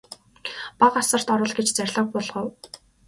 Бага асарт оруул гэж зарлиг буулгав.